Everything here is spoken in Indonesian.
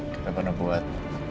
kita pernah buat